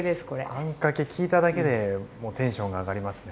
あんかけ聞いただけでもうテンションが上がりますね。